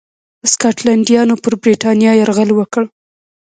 سکاټلنډیانو پر برېټانیا یرغل وکړ.